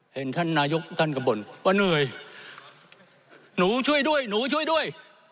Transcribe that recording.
เห็นท่านนายกท่านก็บ่นว่าเหนื่อยหนูช่วยด้วยหนูช่วยด้วย